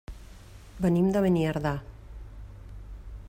Venim de Beniardà.